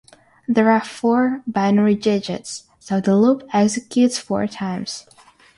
There are four binary digits, so the loop executes four times.